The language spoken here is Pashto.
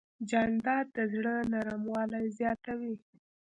جانداد د زړه نرموالی زیاتوي.